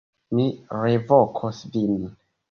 Mi revokos vin.